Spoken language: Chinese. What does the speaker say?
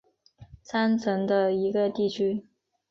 三城的一个地区。